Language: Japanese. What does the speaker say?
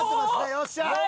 よっしゃ！